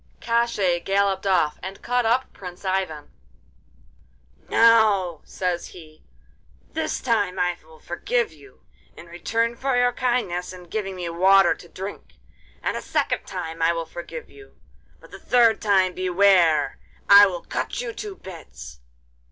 Koshchei galloped off and caught up Prince Ivan. 'Now,' says he, 'this time I will forgive you, in return for your kindness in giving me water to drink. And a second time I will forgive you; but the third time beware! I will cut you to bits.